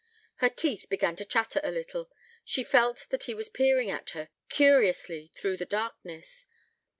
Her teeth began to chatter a little: she felt that he was peering at her, curiously, through the darkness.